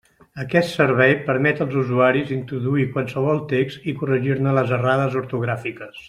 Aquest servei permet als usuaris introduir qualsevol text i corregir-ne les errades ortogràfiques.